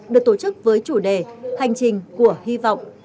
được tổ chức với chủ đề hành trình của hy vọng